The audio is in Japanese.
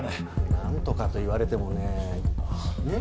何とかと言われてもね。